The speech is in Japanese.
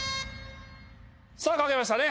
さあ書けましたね。